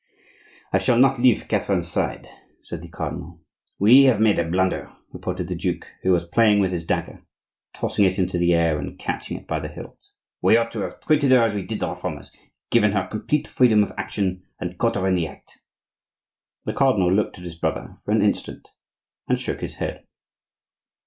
"I shall not leave Catherine's side," said the cardinal. "We have made a blunder," remarked the duke, who was playing with his dagger, tossing it into the air and catching it by the hilt. "We ought to have treated her as we did the Reformers,—given her complete freedom of action and caught her in the act." The cardinal looked at his brother for an instant and shook his head.